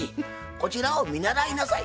こちらを見習いなさい。